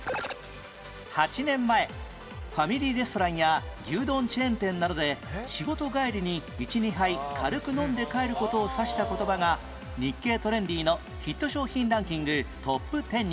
８年前ファミリーレストランや牛丼チェーン店などで仕事帰りに１２杯軽く飲んで帰る事を指した言葉が『日経 ＴＲＥＮＤＹ』のヒット商品ランキングトップ１０に